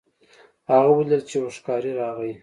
هغه ولیدل چې یو ښکاري راغی.